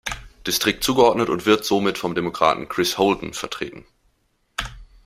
Distrikt zugeordnet und wird somit vom Demokraten Chris Holden vertreten.